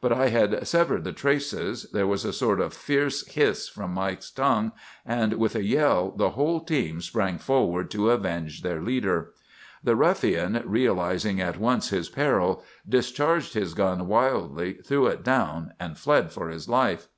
"But I had severed the traces; there was a sort of fierce hiss from Mike's tongue, and with a yell, the whole team sprang forward to avenge their leader. "The ruffian, realizing at once his peril, discharged his gun wildly, threw it down, and fled for his life.